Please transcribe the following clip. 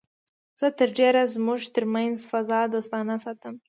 زه تر ډېره زموږ تر منځ فضا دوستانه ساتم